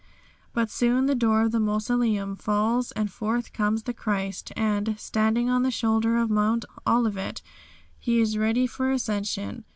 But soon the door of the mausoleum falls and forth comes the Christ and, standing on the shoulder of Mount Olivet, He is ready for ascension.